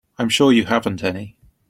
I'm sure you haven't any.